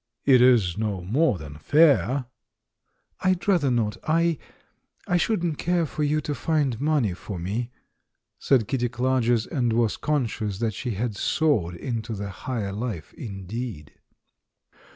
"It is no more than fair." "I'd rather not. I — I shouldn't care for you to find money for me!" said Kitty Clarges — and THE BISHOP'S COMEDY 351 was conscious that she had soared into the higher hfe indeed.